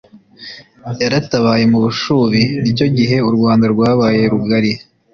yaratabaye mu Bushubi Ni cyo gihe u Rwanda rwabaye rugari